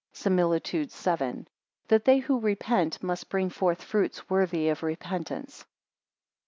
SIMILITUDE VII. That they who repent, must bring forth, fruits worthy of repent once.